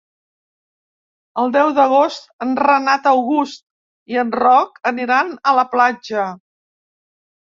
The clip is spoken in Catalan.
El deu d'agost en Renat August i en Roc aniran a la platja.